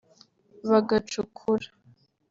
bagacukura